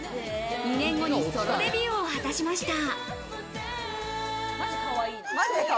２年後にソロデビューを果たしました。